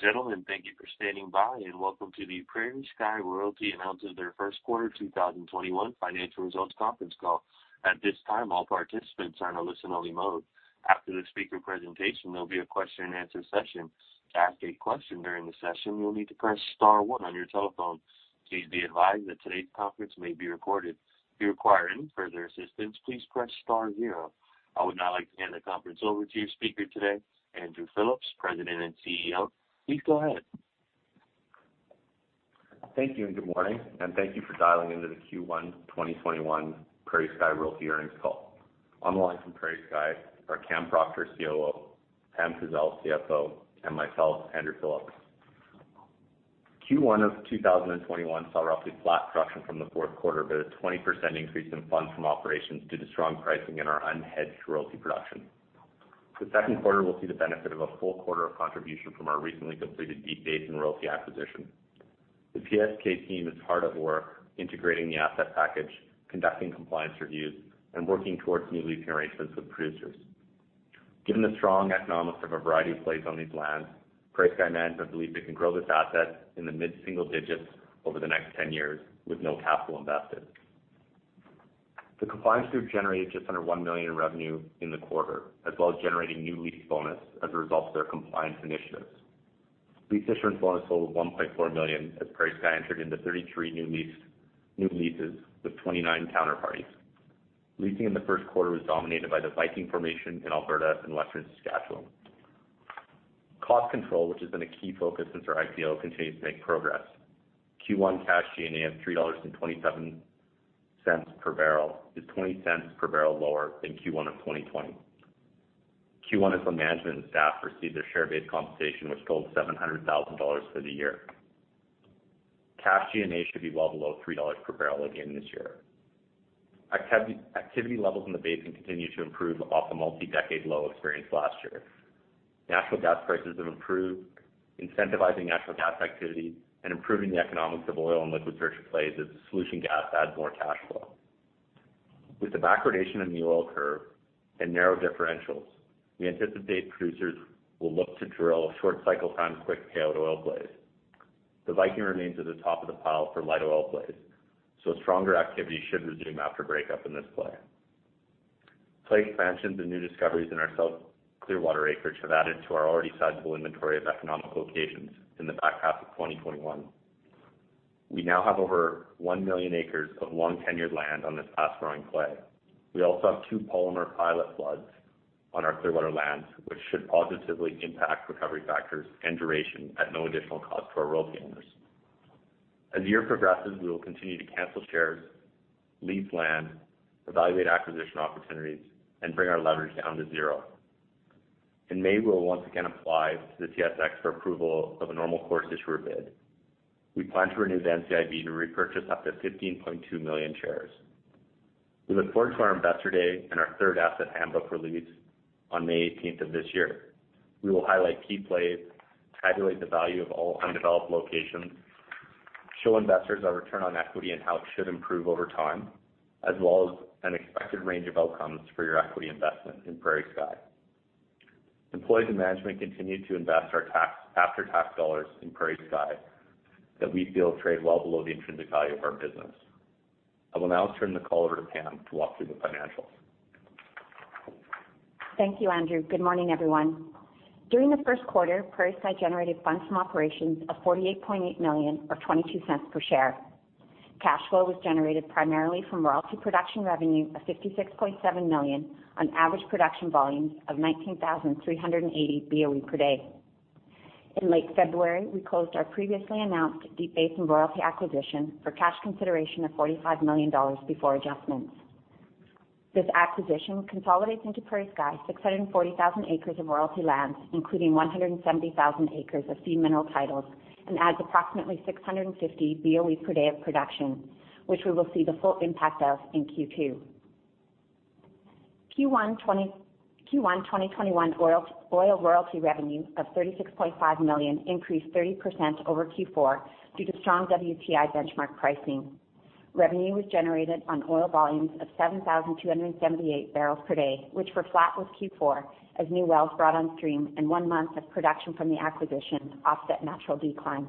Ladies and gentlemen, thank you for standing by, and welcome to the PrairieSky Royalty announcement of their first quarter 2021 financial results conference call. I would now like to hand the conference over to your speaker today, Andrew Phillips, President and CEO. Please go ahead. Thank you, and good morning, and thank you for dialing into the Q1 2021 PrairieSky Royalty earnings call. On the line from PrairieSky are Cam Proctor, COO; Pam Kazeil, CFO; and myself, Andrew Phillips. Q1 of 2021 saw roughly flat production from the fourth quarter, but a 20% increase in Funds from Operations due to strong pricing in our unhedged royalty production. The second quarter will see the benefit of a full quarter of contribution from our recently completed Deep Basin Royalty acquisition. The PSK team is hard at work integrating the asset package, conducting compliance reviews, and working towards new lease arrangements with producers. Given the strong economics of a variety of plays on these lands, PrairieSky management believe they can grow this asset in the mid-single digits over the next 10 years with no capital invested. The compliance group generated just under 1 million in revenue in the quarter, as well as generating new lease bonus as a result of their compliance initiatives. Lease Issuance Bonus totaled 1.4 million as PrairieSky entered into 33 new leases with 29 counterparties. Leasing in the first quarter was dominated by the Viking formation in Alberta and western Saskatchewan. Cost control, which has been a key focus since our IPO, continues to make progress. Q1 cash G&A of 3.27 dollars per barrel is 0.20 per barrel lower than Q1 of 2020. Q1 is when management and staff receive their share-based compensation, which totaled 700,000 dollars for the year. Cash G&A should be well below 3 dollars per barrel again this year. Activity levels in the basin continue to improve off the multi-decade low experienced last year. Natural gas prices have improved, incentivizing natural gas activity and improving the economics of oil and liquid-rich plays as solution gas adds more cash flow. With the backwardation in the oil curve and narrow differentials, we anticipate producers will look to drill short cycle time, quick payout oil plays. The Viking remains at the top of the pile for light oil plays, stronger activity should resume after breakup in this play. Play expansions and new discoveries in our South Clearwater acreage have added to our already sizable inventory of economic locations in the back half of 2021. We now have over 1 million acres of long-tenured land on this fast-growing play. We also have two polymer pilot floods on our Clearwater lands, which should positively impact recovery factors and duration at no additional cost to our royalty owners. As the year progresses, we will continue to cancel shares, lease land, evaluate acquisition opportunities, and bring our leverage down to zero. In May, we'll once again apply to the TSX for approval of a normal course issuer bid. We plan to renew the NCIB to repurchase up to 15.2 million shares. We look forward to our investor day and our third asset handbook release on May 18th of this year. We will highlight key plays, tabulate the value of all undeveloped locations, show investors our return on equity and how it should improve over time, as well as an expected range of outcomes for your equity investment in PrairieSky. Employees and management continue to invest our after-tax dollars in PrairieSky that we feel trade well below the intrinsic value of our business. I will now turn the call over to Pam to walk through the financials. Thank you, Andrew. Good morning, everyone. During the first quarter, PrairieSky generated Funds from Operations of 48.8 million, or 0.22 per share. Cash flow was generated primarily from royalty production revenue of 56.7 million on average production volumes of 19,380 BOE per day. In late February, we closed our previously announced Deep Basin Royalty acquisition for cash consideration of 45 million dollars before adjustments. This acquisition consolidates into PrairieSky 640,000 acres of royalty lands, including 170,000 acres of fee mineral titles, and adds approximately 650 BOE per day of production, which we will see the full impact of in Q2. Q1 2021 oil royalty revenue of 36.5 million increased 30% over Q4 due to strong WTI benchmark pricing. Revenue was generated on oil volumes of 7,278 barrels per day, which were flat with Q4 as new wells brought on stream and one month of production from the acquisition offset natural declines.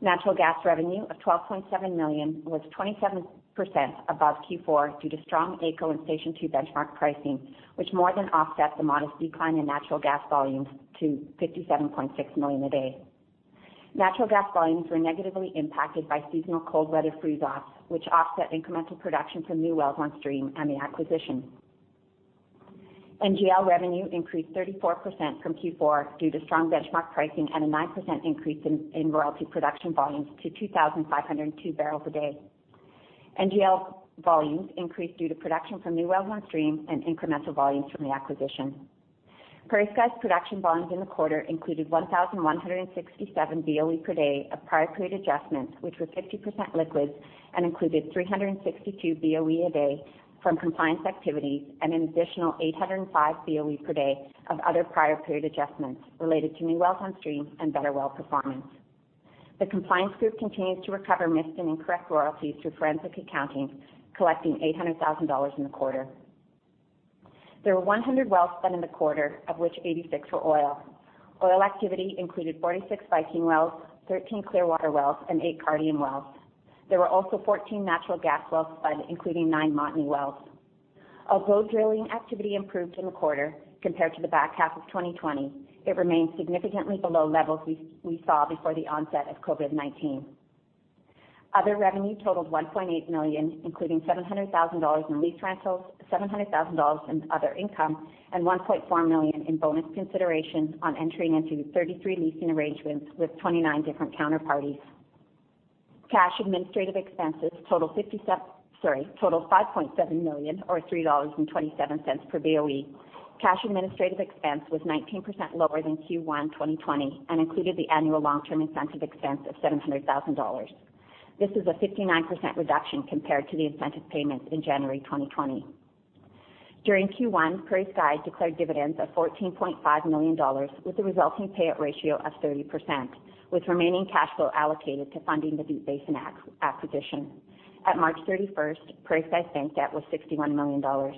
Natural gas revenue of 12.7 million was 27% above Q4 due to strong AECO and Station 2 benchmark pricing, which more than offset the modest decline in natural gas volumes to 57.6 million a day. Natural gas volumes were negatively impacted by seasonal cold weather freeze-offs, which offset incremental production from new wells on stream and the acquisition. NGL revenue increased 34% from Q4 due to strong benchmark pricing and a 9% increase in royalty production volumes to 2,502 barrels a day. NGL volumes increased due to production from new wells on stream and incremental volumes from the acquisition. PrairieSky's production volumes in the quarter included 1,167 BOE per day of prior period adjustments, which were 50% liquids and included 362 BOE a day from compliance activities and an additional 805 BOE per day of other prior period adjustments related to new wells on stream and better well performance. The compliance group continues to recover missed and incorrect royalties through forensic accounting, collecting 800,000 dollars in the quarter. There were 100 wells spud in the quarter, of which 86 were oil. Oil activity included 46 Viking wells, 13 Clearwater wells, and eight Cardium wells. There were also 14 natural gas wells spud, including nine Montney wells. Although drilling activity improved in the quarter compared to the back half of 2020, it remains significantly below levels we saw before the onset of COVID-19. Other revenue totaled 1.8 million, including 700,000 dollars in lease rentals, 700,000 dollars in other income, and 1.4 million in bonus considerations on entering into 33 leasing arrangements with 29 different counterparties. Cash administrative expenses totaled 5.7 million or 3.27 dollars per BOE. Cash administrative expense was 19% lower than Q1 2020 and included the annual long-term incentive expense of 700,000 dollars. This is a 59% reduction compared to the incentive payments in January 2020. During Q1, PrairieSky declared dividends of 14.5 million dollars with a resulting payout ratio of 30%, with remaining cash flow allocated to funding the Deep Basin acquisition. At March 31st, PrairieSky's bank debt was 61 million dollars.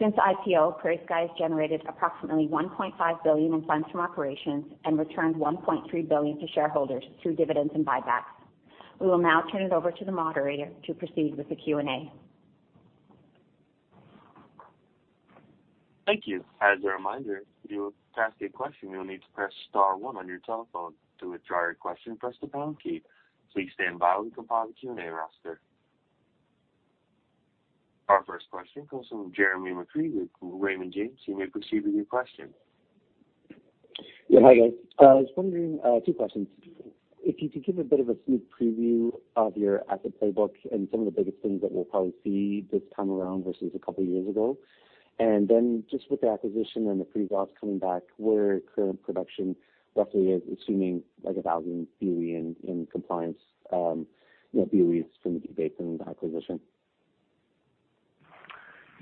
Since IPO, PrairieSky has generated approximately 1.5 billion in Funds from Operations and returned 1.3 billion to shareholders through dividends and buybacks. We will now turn it over to the moderator to proceed with the Q&A. Thank you. Our first question comes from Jeremy McCrea with Raymond James. Yeah. Hi, guys. Two questions. If you could give a bit of a sneak preview of your asset playbook and some of the biggest things that we'll probably see this time around versus a couple of years ago. Then just with the acquisition and the freeze-offs coming back, where current production roughly is assuming like 1,000 BOE in compliance, BOEs from the Deep Basin acquisition.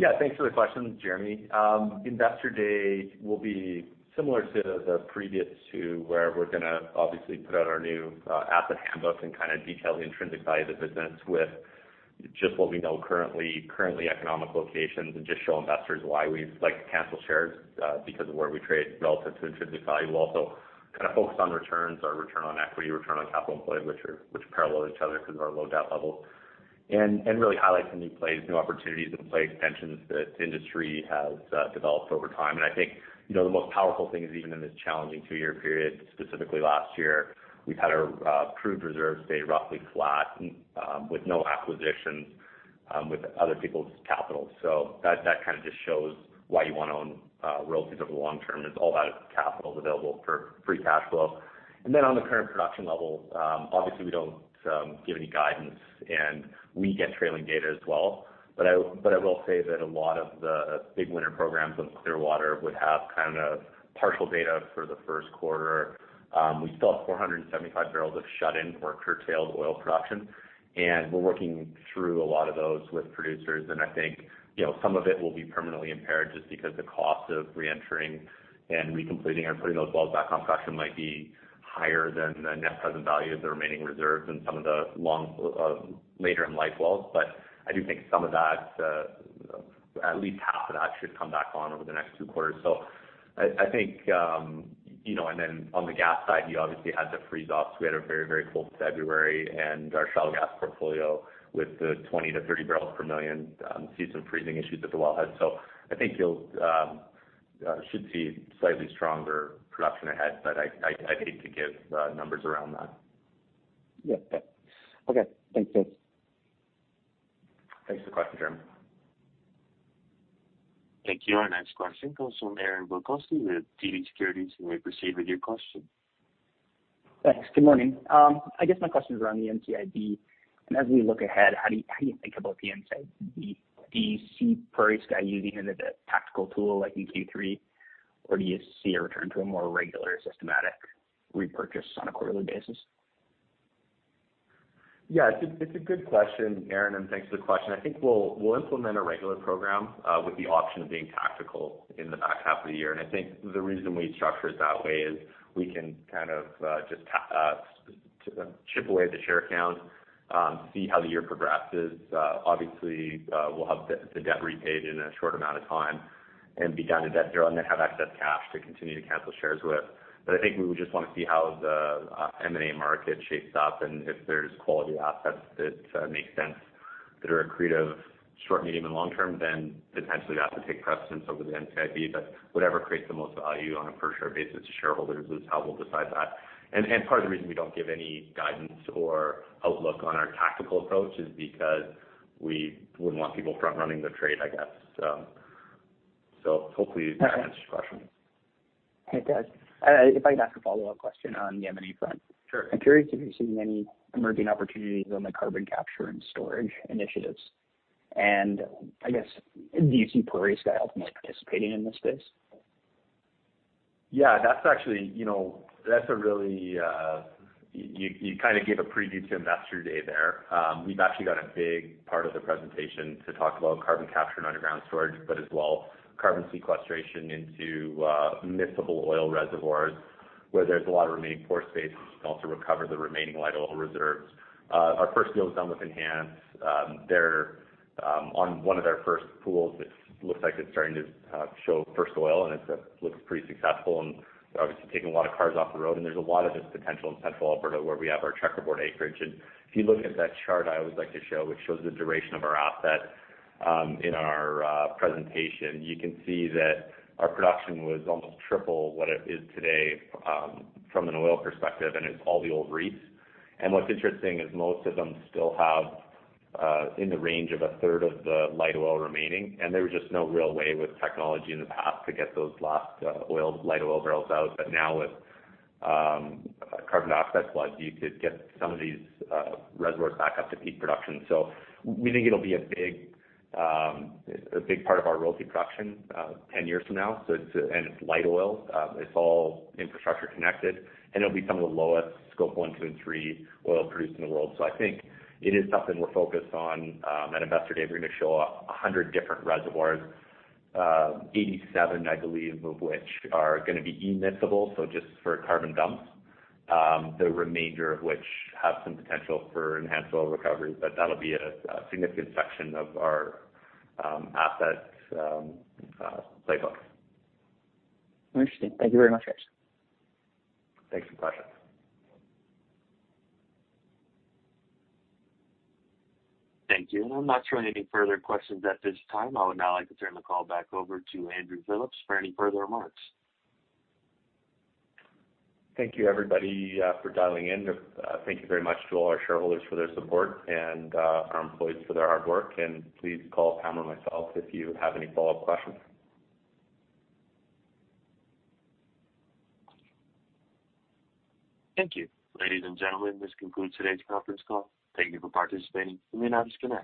Yeah. Thanks for the question, Jeremy McCrea. Investor Day will be similar to the previous two, where we're going to obviously put out our new asset handbook and detail the intrinsic value of the business with just what we know currently economic locations, and just show investors why we like to cancel shares because of where we trade relative to intrinsic value. We'll also focus on returns or return on equity, return on capital employed, which parallel each other because of our low debt level, and really highlight some new plays, new opportunities in play extensions that the industry has developed over time. I think, the most powerful thing is even in this challenging two-year period, specifically last year, we've had our proved reserves stay roughly flat with no acquisitions with other people's capital. That kind of just shows why you want to own relatively long-term. There's a whole lot of capital available for free cash flow. On the current production level, obviously we don't give any guidance and we get trailing data as well. I will say that a lot of the big winter programs on Clearwater would have partial data for the first quarter. We still have 475 barrels of shut-in or curtailed oil production, and we're working through a lot of those with producers. I think some of it will be permanently impaired just because the cost of re-entering and recompleting or putting those wells back on production might be higher than the net present value of the remaining reserves in some of the later in life wells. I do think at least half of that should come back on over the next two quarters. On the gas side, you obviously had the freeze-off, so we had a very cold February and our shale gas portfolio with the 20 to 30 barrels per million, see some freezing issues at the wellhead. I think you should see slightly stronger production ahead, but I'd hate to give numbers around that. Yeah. Okay. Thanks, James. Thanks for the question, Jeremy McCrea. Thank you. Our next question comes from Aaron Bilkoski with TD Securities. You may proceed with your question. Thanks. Good morning. I guess my questions are on the NCIB, and as we look ahead, how do you think about the NCIB? Do you see PrairieSky using it as a tactical tool like in Q3, or do you see a return to a more regular, systematic repurchase on a quarterly basis? It's a good question, Aaron, and thanks for the question. I think we'll implement a regular program with the option of being tactical in the back half of the year. I think the reason we structure it that way is we can kind of just chip away at the share count, see how the year progresses. Obviously, we'll have the debt repaid in a short amount of time and be down to debt zero, and then have excess cash to continue to cancel shares with. I think we would just want to see how the M&A market shapes up, and if there's quality assets that make sense, that are accretive short, medium, and long term, then potentially that could take precedence over the NCIB. Whatever creates the most value on a per-share basis to shareholders is how we'll decide that. Part of the reason we don't give any guidance or outlook on our tactical approach is because we wouldn't want people front-running the trade, I guess. Hopefully that answers your question. It does. If I could ask a follow-up question on the M&A front. Sure. I'm curious if you're seeing any emerging opportunities on the carbon capture and storage initiatives, and I guess, do you see PrairieSky ultimately participating in this space? Yeah. You kind of gave a preview to Investor Day there. We've actually got a big part of the presentation to talk about carbon capture and underground storage, but as well, carbon sequestration into miscible oil reservoirs. Where there's a lot of remaining pore space, we can also recover the remaining light oil reserves. Our first deal was done with Enhance. On one of their first pools, it looks like it's starting to show first oil, and it looks pretty successful, and they're obviously taking a lot of cars off the road. There's a lot of this potential in Central Alberta, where we have our checkerboard acreage. If you look at that chart I always like to show, which shows the duration of our assets in our presentation, you can see that our production was almost triple what it is today from an oil perspective, and it's all the old reefs. What's interesting is most of them still have in the range of a third of the light oil remaining, and there was just no real way with technology in the past to get those last light oil barrels out. Now with carbon dioxide flood, you could get some of these reservoirs back up to peak production. We think it'll be a big part of our royalty production 10 years from now. It's light oil. It's all infrastructure connected, and it'll be some of the lowest Scope 1, 2, and 3 oil produced in the world. I think it is something we're focused on. At Investor Day, we're going to show 100 different reservoirs, 87, I believe, of which are going to be miscible, so just for carbon dumps. The remainder of which have some potential for enhanced oil recovery, but that'll be a significant section of our assets playbook. Interesting. Thank you very much, guys. Thanks for the question. Thank you. I'm not showing any further questions at this time. I would now like to turn the call back over to Andrew Phillips for any further remarks. Thank you, everybody, for dialing in. Thank you very much to all our shareholders for their support and our employees for their hard work. Please call Cameron or myself if you have any follow-up questions. Thank you. Ladies and gentlemen, this concludes today's conference call. Thank you for participating. You may now disconnect.